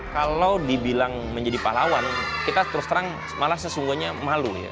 kalau dibilang menjadi pahlawan kita terus terang malah sesungguhnya malu ya